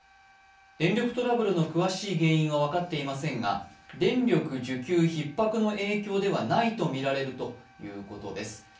電力トラブルの詳しい原因は分かっていませんが電力需給ひっ迫の影響ではないと考えられるということです。